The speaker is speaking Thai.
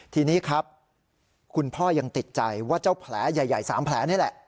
ทีนี้ครับคุณพ่อยังติดใจว่าเจ้าแผลใหญ่๓แผลนี่แหละ